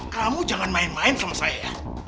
kamu jangan main main sama saya